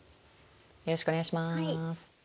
よろしくお願いします。